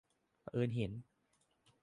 เผอิญเห็น